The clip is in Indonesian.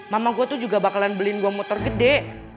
mama gue tuh juga bakalan beliin gue motor gede